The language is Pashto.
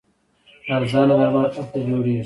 ارزانه درمل هلته جوړیږي.